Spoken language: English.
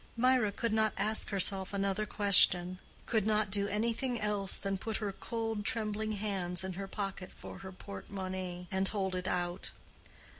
Mirah could not ask herself another question—could not do anything else than put her cold trembling hands in her pocket for her portemonnaie and hold it out.